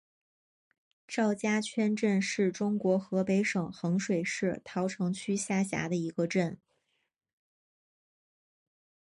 赵家圈镇是中国河北省衡水市桃城区下辖的一个镇。